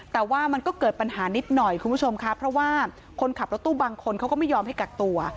แต่ว่ามันก็เกิดปัญหานิดหน่อยคุณผู้ชมค่ะเพราะว่าคนขับรถตู้บางคนเขาก็ไม่ยอมให้กักตัว